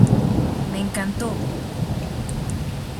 Me encantó.